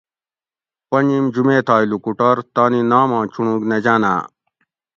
پنجیم جمیتائے لوکوٹور تانی ناماں چُنڑوگ نہ جاۤناۤں